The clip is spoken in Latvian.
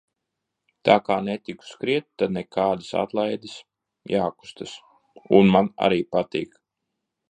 Tā kā netiku skriet, tad nekādas atlaides – jākustas. Un man ar patīk.